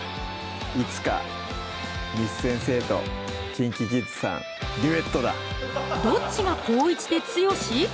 いつか簾先生とＫｉｎＫｉＫｉｄｓさんデュエットだどっちが光一で剛？